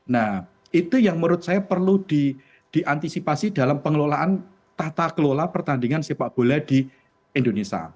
nah itu yang menurut saya perlu diantisipasi dalam pengelolaan tata kelola pertandingan sepak bola di indonesia